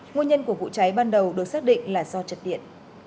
nguồn nhân của vụ cháy ban đầu được xác định là do trật điện